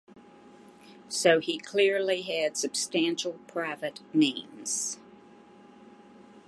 So he clearly had substantial private means.